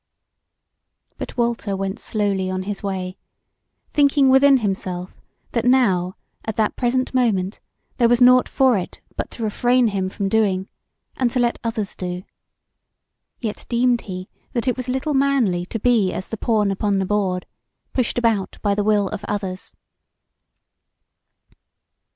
But Walter went slowly on his way, thinking within himself that now at that present moment there was nought for it but to refrain him from doing, and to let others do; yet deemed he that it was little manly to be as the pawn upon the board, pushed about by the will of others.